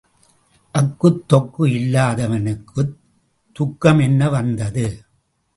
அக்குத் தொக்கு இல்லாதவனுக்குத் துக்கம் என்ன வந்தது?